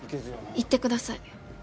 行ってください。